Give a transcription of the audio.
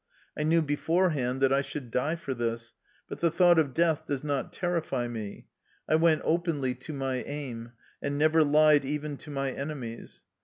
I knew beforehand that I should die for this, but the thought of death did not terrify me. I went openly to my aim, and never lied even to my enemies.